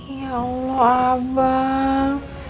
ya allah abang